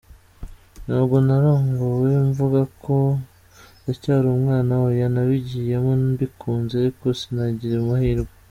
Ntabwo narongowe mvuga ngo ndacyari umwana oya nabigiyemo mbikunze ariko sinagira amahirwe.